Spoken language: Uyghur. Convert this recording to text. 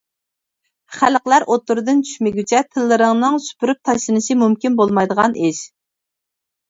خەلقلەر ئوتتۇرىدىن چۈشمىگۈچە تىللىرىنىڭ سۈپۈرۈپ تاشلىنىشى مۇمكىن بولمايدىغان ئىش.